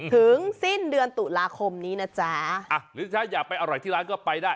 สิ้นเดือนตุลาคมนี้นะจ๊ะอ่ะหรือถ้าอยากไปอร่อยที่ร้านก็ไปได้